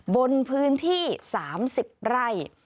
บนพื้นที่๓๐ไร่